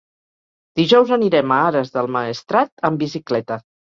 Dijous anirem a Ares del Maestrat amb bicicleta.